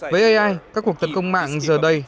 với ai các cuộc tấn công mạng giờ đây